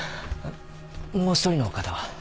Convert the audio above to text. もう一人の方は？